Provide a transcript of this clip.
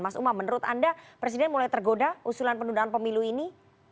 mas umam menurut anda presiden mulai tergoda usulan penundaan pemilu ini